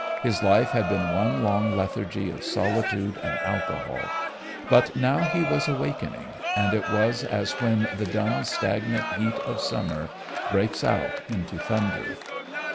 His life had been one long lethargy of solitude and alcohol, but now he was awakening, and it was as when the dumb stagnant heat of summer breaks out into thunder.